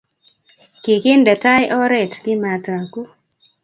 kikinde tai oret kimataku